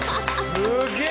すげえ！